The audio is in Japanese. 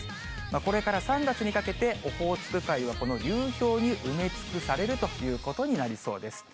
これから３月にかけて、オホーツク海はこの流氷に埋め尽くされるということになりそうです。